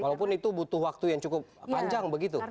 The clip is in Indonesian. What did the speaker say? walaupun itu butuh waktu yang cukup panjang begitu